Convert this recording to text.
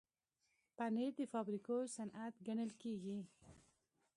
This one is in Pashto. پنېر د فابریکو صنعت ګڼل کېږي.